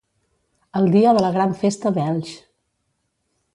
El dia de la gran Festa d'Elx.